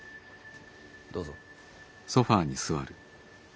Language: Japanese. どうぞ。